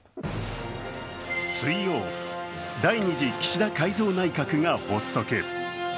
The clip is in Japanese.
水曜、第２次岸田改造内閣が発足。